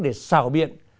để xào biện